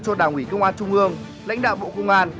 cho đảng ủy công an trung ương lãnh đạo bộ công an